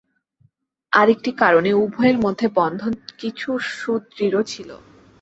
আর একটি কারণে উভয়ের মধ্যে বন্ধন কিছু সুদৃঢ় ছিল।